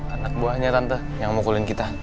anak buahnya tante yang memukulin kita